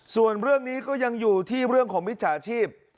ส่วนเรื่องนี้ก็ยังอยู่ที่เรื่องของมิจฉาชีพ